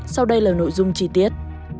sau đây là nội dung chi tiết